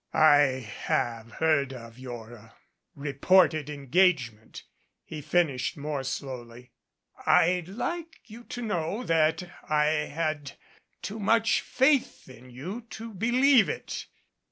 "I have heard of your reported engagement," he fin ished more slowly. "I'd like you to know that I had too much faith in you to believe it.